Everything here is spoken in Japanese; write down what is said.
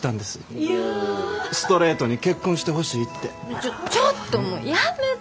ちょちょっともうやめて！